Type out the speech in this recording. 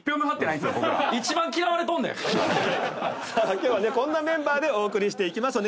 今日はこんなメンバーでお送りしていきます。